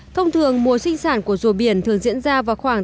thông thường mùa sinh sản của rùa biển thường diễn ra vào khoảng